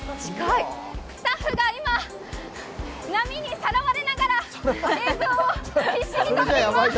スタッフが今、波にさらわれながら映像を必死に撮っています。